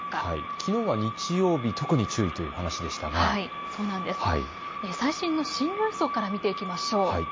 きのうは日曜日、特に注意という話でしたが最新の進路予想から見ていきましょう。